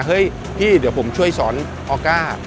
เฮ้ยพี่เดี๋ยวผมช่วยสอนออก้า